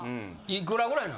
いくらぐらいなの？